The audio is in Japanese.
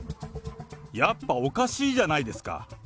やっぱおかしいじゃないですか。